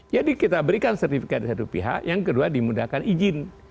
jadi kita berikan sertifikat di satu pihak yang kedua dimudahkan izin